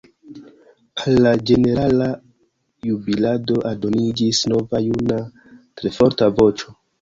Al la ĝenerala jubilado aldoniĝis nova juna tre forta voĉo.